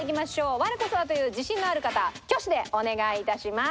我こそはという自信のある方挙手でお願いいたします。